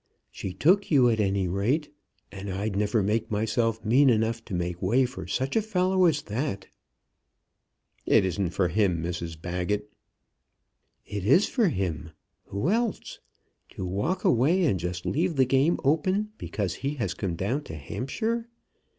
"She took you, at any rate, and I'd never make myself mean enough to make way for such a fellow as that." "It isn't for him, Mrs Baggett." "It is for him. Who else? To walk away and just leave the game open because he has come down to Hampshire!